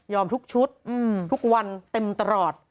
ทุกชุดทุกวันเต็มตลอด